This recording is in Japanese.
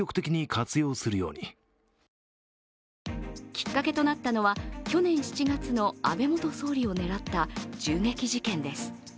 きっかけとなったのは去年７月の安倍元総理を狙った銃撃事件です。